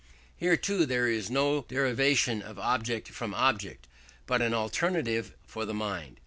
Here, too, there is no derivation of object from object, but an alternative for the mind.